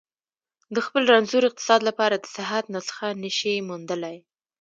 د خپل رنځور اقتصاد لپاره د صحت نسخه نه شي موندلای.